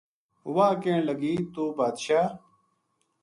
واہ کہن لگی توہ بادشاہ